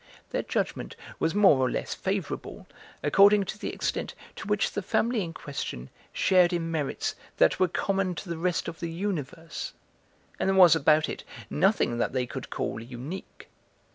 Their judgment was more or less favourable according to the extent to which the family in question shared in merits that were common to the rest of the universe, and there was about it nothing that they could call unique.